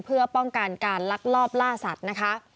เพื่อป้องกันการลักลอบล่าสัตว์นะคะ